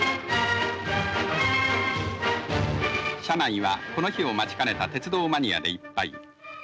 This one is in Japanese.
車内はこの日を待ちかねた鉄道マニアでいっぱい。